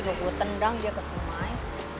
gue gue tendang dia ke sumai